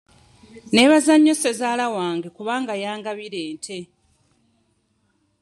Neebaza nnyo ssezaala wange kuba yangabira ente.